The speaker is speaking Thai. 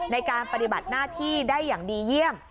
ในการปฏิบัติหน้าที่ได้อย่างดีเยี่ยม